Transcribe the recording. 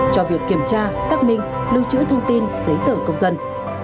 cho việc kiểm tra xác minh lưu trữ thông tin giấy tờ công dân